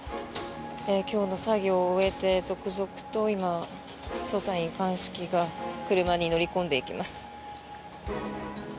今日の作業を終えて続々と今、捜査員、鑑識が車に乗り込んでいきます。